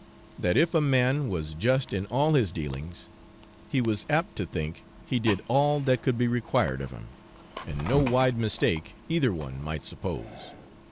that if a man was just in all his dealings he was apt to think he did all that could be required of him, and no wide mistake either one might suppose.